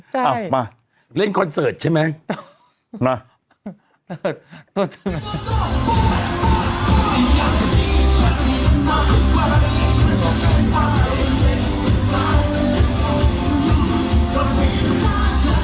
เอามาเล่นคอนเสิร์ตใช่ไหม